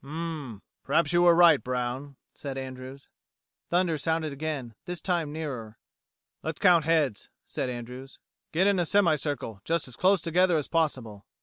"Hm m m! Perhaps you were right, Brown," said Andrews. Thunder sounded again, this time nearer. "Let's count heads," said Andrews. "Get in a semi circle, just as close together as possible."